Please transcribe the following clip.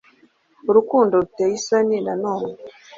Urukundo ruteye isoni na none